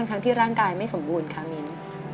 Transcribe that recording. ทั้งที่ร่างกายไม่สมบูรณ์ค่ะมิ้น